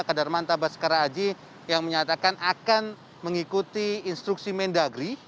kadarmanta baskara aji yang menyatakan akan mengikuti instruksi mendagri